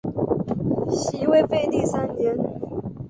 西魏废帝三年。